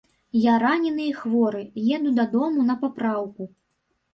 Я ранены і хворы, еду дадому на папраўку.